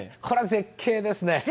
これは絶景ですね。